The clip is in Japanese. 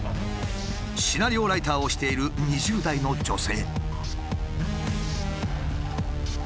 シナリオライターをしている２０代の女性。